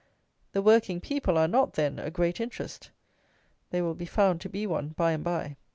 THE WORKING PEOPLE ARE NOT, THEN, "A GREAT INTEREST"! THEY WILL BE FOUND TO BE ONE, BY AND BY.